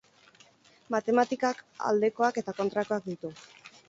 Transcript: Matematikak aldekoak eta kontrakoak ditu.